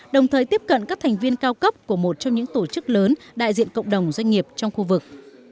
đồng thời tiếp cận các thành viên cao cấp của một trong những tổ chức lớn đại diện cộng đồng doanh nghiệp trong khu vực